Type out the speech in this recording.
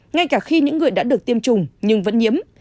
ngay cả khi những người đã được tiêm chủng nhưng vẫn nhiễm